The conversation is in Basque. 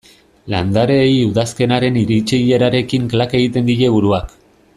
Landareei udazkenaren iritsierarekin klak egiten die buruak.